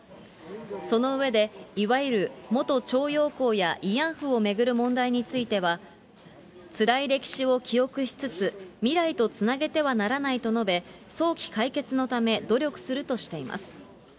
その上で、いわゆる元徴用工や慰安婦を巡る問題については、つらい歴史を記憶しつつ、未来とつなげてはならないと述べ、早期解決のため、努力するとしています。